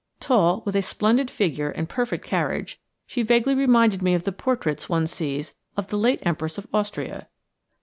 Tall, with a splendid figure and perfect carriage, she vaguely reminded me of the portraits one sees of the late Empress of Austria.